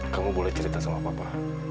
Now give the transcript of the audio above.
kamu boleh cerita sama papa